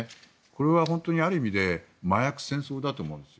これは本当に、ある意味で麻薬戦争だと思うんです。